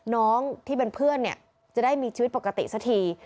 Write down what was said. น้องที่เป็นเพื่อนเนี่ยจะได้มีชีวิตปกติสักที